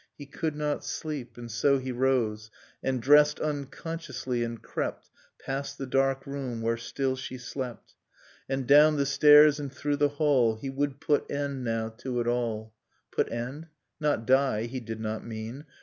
He could not sleep. And so he rose, And dressed unconsciously, and crept Past the dark room where still she slept, lioil Nocturne of Remembered Spring And down the stairs, and through the hall. He would put end, now, to it all. Put end? — Not die, he did not mean?